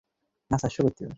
রক্তগরম জোয়ান মানুষ না তুই?